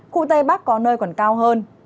khu tây bắc có nơi còn cao hơn